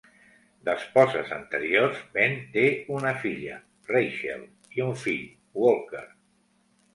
D'esposes anteriors, Ben té una filla, Rachel, i un fill, Walker.